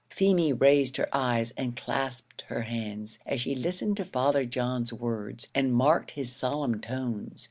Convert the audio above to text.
Feemy raised her eyes, and clasped her hands, as she listened to Father John's words, and marked his solemn tones.